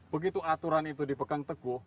begitu aturan itu dipegang teguh